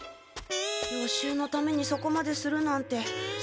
予習のためにそこまでするなんてさすが浦風先輩。